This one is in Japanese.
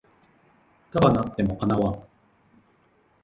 束なっても叶わん